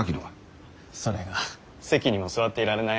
それが席にも座っていられないありさまで。